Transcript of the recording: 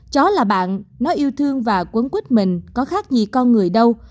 chó là bạn nó yêu thương và quấn quýt mình có khác gì con người đâu